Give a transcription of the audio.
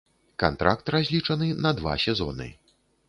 Кантракт разлічаны на два сезоны.